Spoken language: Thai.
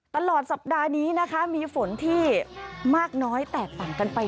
ตลอดสัปดาห์นี้นะคะมีฝนที่มากน้อยแตกต่างกันไป